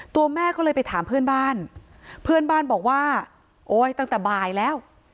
ตัวแม่ก็เลยไปถามเพื่อนบ้านเพื่อนบ้านบอกว่าโอ๊ยตั้งแต่บ่ายแล้ว